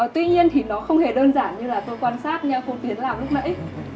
tuy nhiên thì nó không hề đơn giản như là tôi quan sát cô tiến làm lúc nãy